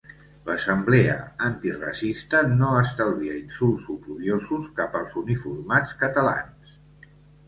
L'assemblea antiracista no estalvia insults oprobiosos cap als uniformats catalans.